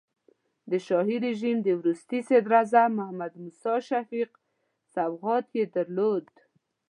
د شاهي رژیم د وروستي صدراعظم محمد موسی شفیق سوغات یې درلود.